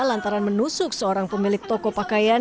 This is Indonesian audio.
lantaran menusuk seorang pemilik toko pakaian